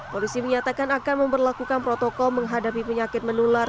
polisi menyatakan akan memperlakukan protokol menghadapi penyakit menular